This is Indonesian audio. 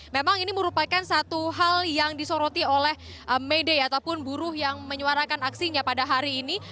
memang ini merupakan satu hal yang disoroti oleh may day ataupun buruh yang menyuarakan aksinya pada hari ini